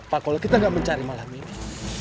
pak kalau kita nggak mencari malam ini